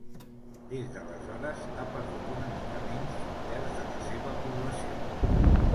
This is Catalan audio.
Des d'aleshores, ha perdut una mica menys d'un terç de la seva població.